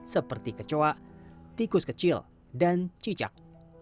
seperti kecoa tikus kecil dan cicak